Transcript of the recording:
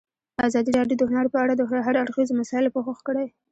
ازادي راډیو د هنر په اړه د هر اړخیزو مسایلو پوښښ کړی.